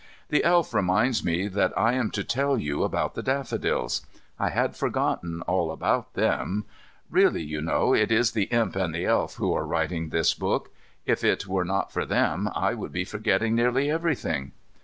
The Elf reminds me that I am to tell you about the daffodils. I had forgotten all about them. Really, you know it is the Imp and the Elf who are writing this book. If it were not for them I should be forgetting nearly everything.